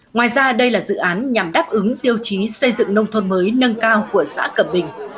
ngoài ra đây là dự án nhằm đáp ứng tiêu chí xây dựng nông thôn mới nâng cao của xã cẩm bình